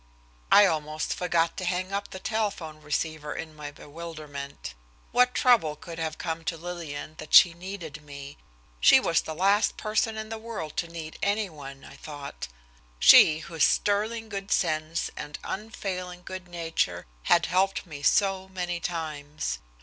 I almost forgot to hang up the telephone receiver in my bewilderment. What trouble could have come to Lillian that she needed me? She was the last person in the world to need any one, I thought she, whose sterling good sense and unfailing good nature had helped me so many times.